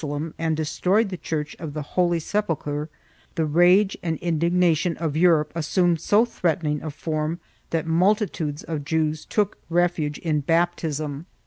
Ill] MEDIEVAL PERSECUTION 83 lem and destroyed the church of the Holy Sepulchre, the rage and indignation of Europe assumed so threatening a form that multitudes of Jews took refuge in baptism.